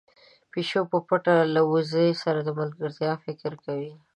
پيشو په پټه له وزې سره د ملګرتيا فکر کوي.